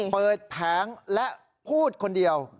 แผงและพูดคนเดียว